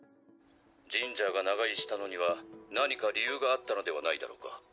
「ジンジャーが長居したのには何か理由があったのではないだろうか」